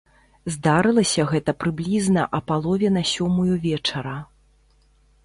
Здарылася гэта прыблізна а палове на сёмую вечара.